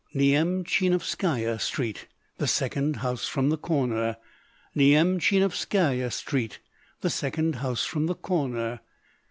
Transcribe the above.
"Nyemchinovskaya Street, the second house from the corner. Nyemchinovskaya Street, the second house from the corner."